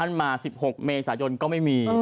มา๑๖เมษายนก็ไม่มี